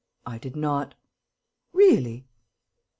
"I did not." "Really!"